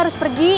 selat lima menit